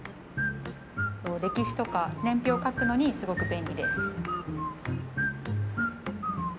歴史とか年表書くのにすごく便利です。